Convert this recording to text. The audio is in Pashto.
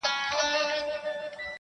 زۀ خداى ساتلمه چي نۀ راپرېوتم او تلمه,